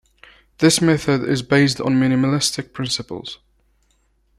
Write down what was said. This method is based on minimalistic principles.